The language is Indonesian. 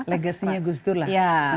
legasinya gustur lah